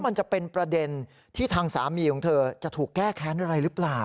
มันจะเป็นประเด็นที่ทางสามีของเธอจะถูกแก้แค้นอะไรหรือเปล่า